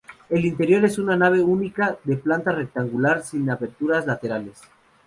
El interior es una nave única de planta rectangular, sin aberturas laterales.